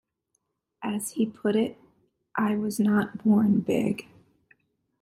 As he put it, "I was not born big".